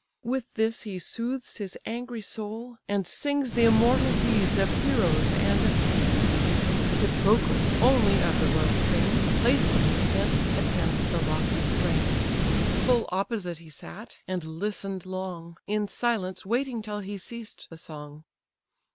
With this he soothes his angry soul, and sings The immortal deeds of heroes and of kings. Patroclus only of the royal train, Placed in his tent, attends the lofty strain: Full opposite he sat, and listen'd long, In silence waiting till he ceased the song.